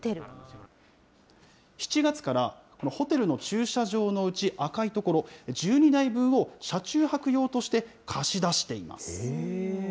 ７月からホテルの駐車場のうち赤い所、１２台分を車中泊用として、貸し出しています。